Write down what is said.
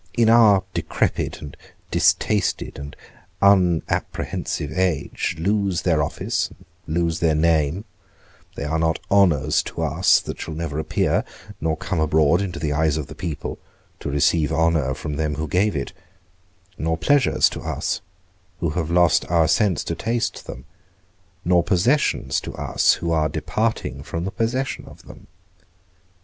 in our decrepit and distasted and unapprehensive age, lose their office, and lose their name; they are not honours to us that shall never appear, nor come abroad into the eyes of the people, to receive honour from them who give it; nor pleasures to us, who have lost our sense to taste them; nor possessions to us, who are departing from the possession of them.